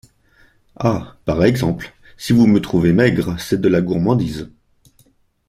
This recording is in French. Ah ! par exemple ! si vous me trouvez maigre… c’est de la gourmandise !